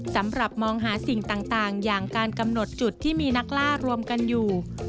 สำหรับมองหาสิ่งต่างอย่างการกำหนดจุดที่มีนักล่ารวมกันอยู่